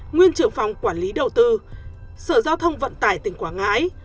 nguyên trưởng phòng quản lý đầu tư sở giao thông vận tải tỉnh quảng ngãi